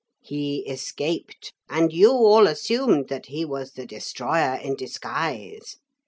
He escaped and you all assumed that he was the Destroyer in disguise.